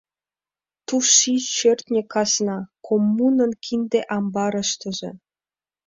— Ту ший-шӧртньӧ казна — коммунын кинде амбарыштыже.